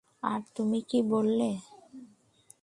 আর তুমি কী বললে?